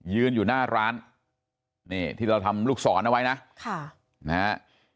ยืนอยู่หน้าร้านนี่ที่เราทำลูกศรเอาไว้นะค่ะนะฮะ